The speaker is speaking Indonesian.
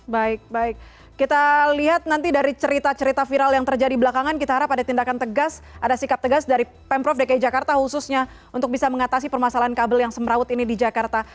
baik baik kita lihat nanti dari cerita cerita viral yang terjadi belakangan kita harap ada tindakan tegas ada sikap tegas dari pemprov dki jakarta khususnya untuk bisa mengatasi permasalahan kabel yang semraut ini di jakarta